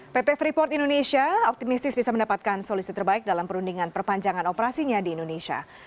pt freeport indonesia optimistis bisa mendapatkan solusi terbaik dalam perundingan perpanjangan operasinya di indonesia